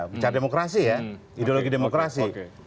bicara demokrasi ya ideologi demokrasi